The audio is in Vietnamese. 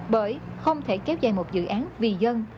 bởi không thể kéo dài một dự án vì dân